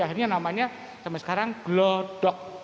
akhirnya namanya sampai sekarang gelodok